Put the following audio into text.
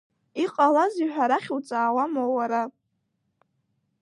Иҟалазеи ҳәа арахь уҵаауама уара?!